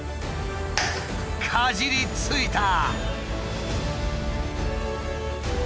かじりついた！